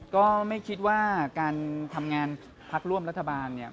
ก็ไม่คิดว่าการทำงานพักร่วมรัฐบาลเนี่ย